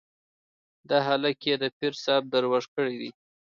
دا هلک يې د پير صاحب دروږ کړی دی.